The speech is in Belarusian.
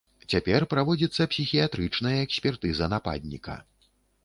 Цяпер праводзіцца псіхіятрычная экспертыза нападніка.